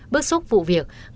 bước xúc vụ việc